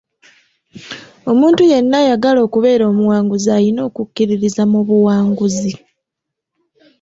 Omuntu yenna ayagala okubeera omuwanguzi ayina okukkiririza mu buwanguzi